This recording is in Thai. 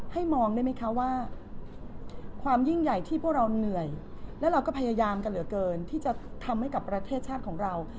ให้มองได้ไหมคะว่าความยิ่งใหญ่ที่พวกเราเหนื่อยและเราก็พยายามกันเหลือเกินที่จะทำให้กับประเทศชาติของเรา